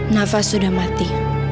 nafa sudah mati